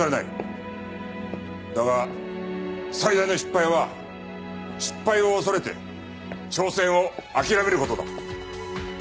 だが最大の失敗は失敗を恐れて挑戦を諦める事だ。